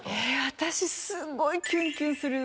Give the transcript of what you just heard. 私すごい。